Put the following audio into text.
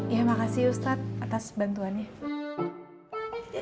ya makasih ustadz atas bantuannya